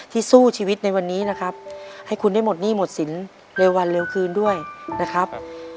สู้ชีวิตในวันนี้นะครับให้คุณได้หมดหนี้หมดสินเร็ววันเร็วคืนด้วยนะครับ